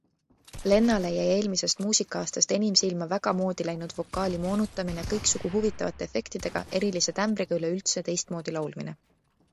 Lennale jäi eelmisest muusikaastast enim silma väga moodi läinud vokaali moonutamine, kõiksugu huvitavate efektidega, erilise tämbriga ja üleüldse teistmoodi laulmine.